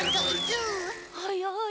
はっやい。